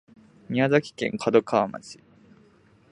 宮崎県門川町